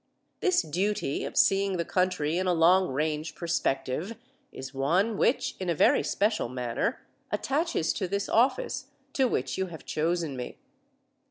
This duty of seeing the country in a long range perspective is one which, in a very special manner, attaches to this office to which you have chosen me.